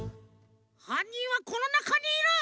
はんにんはこのなかにいる！